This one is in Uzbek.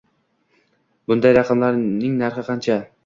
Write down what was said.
Bunday raqamning narxi qancha?